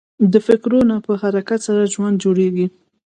د فکرو نه په حرکت سره ژوند جوړېږي.